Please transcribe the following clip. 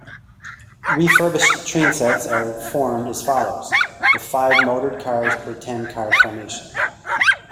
Refurbished trainsets are formed as follows, with five motored cars per ten-car formation.